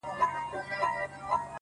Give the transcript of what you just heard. تا پر اوږده ږيره شراب په خرمستۍ توی کړل؛